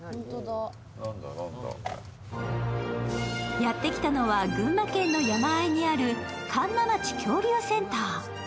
やってきたのは群馬県の山あいにある神流町恐竜センター。